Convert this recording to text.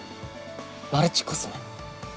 マルチコスメ。